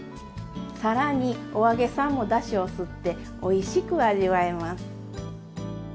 更にお揚げさんもだしを吸っておいしく味わえます。